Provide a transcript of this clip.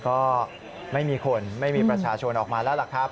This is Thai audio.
ก็ไม่มีคนไม่มีประชาชนออกมาแล้วล่ะครับ